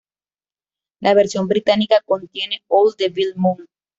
La versión británica contiene "Old Devil Moon".